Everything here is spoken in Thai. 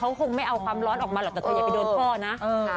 ไม่คงไม่เอาคำร้อนออกมาใหม่แต่พอนะ